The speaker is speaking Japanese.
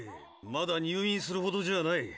まだ入院するほどじゃない。